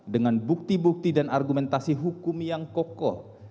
dengan bukti bukti dan argumentasi hukum yang kokoh